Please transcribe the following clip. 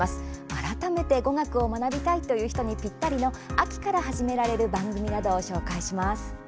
改めて語学を学びたいという人にぴったりの秋から始められる番組などを紹介します。